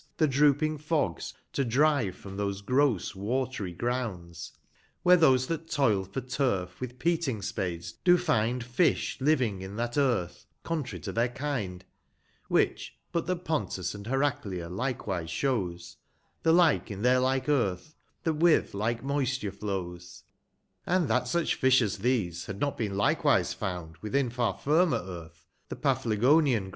The drooping fogs to drive from those gross wat'ry grounds, Where those that toil for turf, with peating spades do find Fish living in that earth* (contrary to their kind) 89 Which but that Poutus, and Heracl'm likewise shows, The like in their like earth, that with like moisture flows, And that such fish as these, had not been likewise found, Within far firmer earth, the Paphlaijonkin ground, A Wonder of this Isle, this well might have been thought.